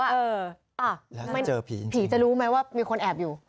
พีทจะรู้ไหมว่ามีคนแอบอยู่แล้วก็เจอผีจริงทุกคน